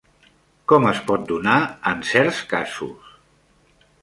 Com es pot donar en certs casos?